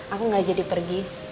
aku gak jadi pergi